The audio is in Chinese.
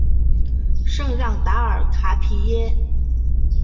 圣让达尔卡皮耶。